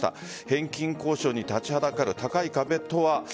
返金交渉に立ちはだかる高い壁とは。